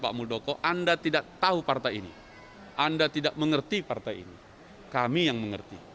pak muldoko anda tidak tahu partai ini anda tidak mengerti partai ini kami yang mengerti